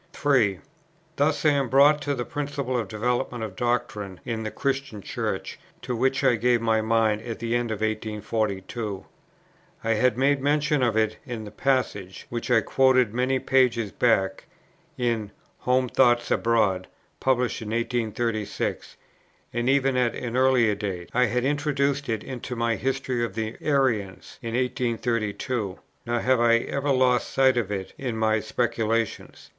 3. Thus I am brought to the principle of development of doctrine in the Christian Church, to which I gave my mind at the end of 1842. I had made mention of it in the passage, which I quoted many pages back (vide p. 111), in "Home Thoughts Abroad," published in 1836; and even at an earlier date I had introduced it into my History of the Arians in 1832; nor had I ever lost sight of it in my speculations.